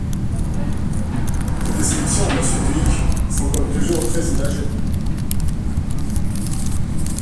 (Sourires.) Vos descriptions, monsieur Dhuicq, sont comme toujours très imagées.